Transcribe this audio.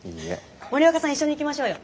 森若さん一緒に行きましょうよ。